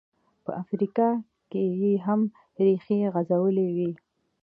په افریقا کې یې هم ریښې غځولې وې.